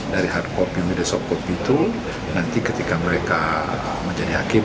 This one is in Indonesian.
dari hard copy media sob cop itu nanti ketika mereka menjadi hakim